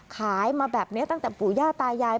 ขายมาแบบนี้ตั้งแต่ปู่ย่าตายาย